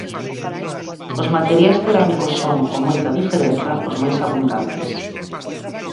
Os materiais cerámicos son, con moita diferenza, os máis abundantes.